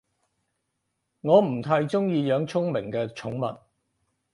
我唔太鍾意養聰明嘅寵物